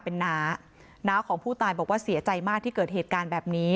แต่ก็รู้สึกเสียใจมากเพราะว่ารักหลานมากเลย